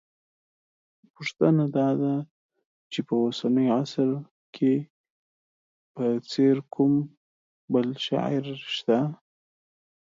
پوښتنه دا ده چې په اوسني عصر کې په څېر کوم بل شاعر شته